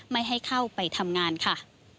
ไม่ให้เข้าไปทำงานค่ะ